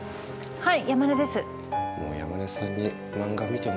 はい。